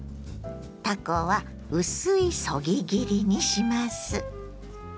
たこは薄いそぎ切りにします。